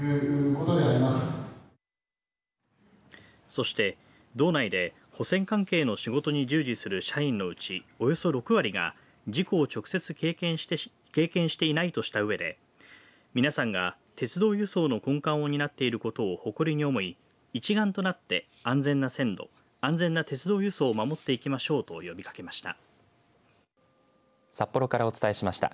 そして道内で保線関係の仕事に従事する社員のうち、およそ６割が事故を直接経験していないとしたうえで皆さんが鉄道輸送の根幹を担ってることを誇りに思い一丸となって安全な線路安全な鉄道輸送を守っていきましょうと呼びかけました。